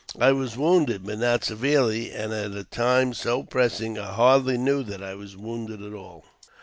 I was wounded, but not severely ; and, at a time so pressing, I hardly knew that I was wounded at all.